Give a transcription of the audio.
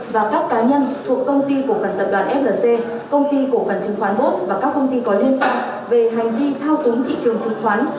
và các cá nhân thuộc công ty cổ phần tập đoàn flc công ty cổ phần chứng khoán bos và các công ty có liên quan về hành vi thao túng thị trường chứng khoán